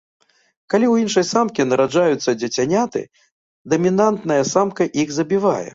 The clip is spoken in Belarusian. Калі ў іншай самкі нараджаюцца дзіцяняты, дамінантная самка іх забівае.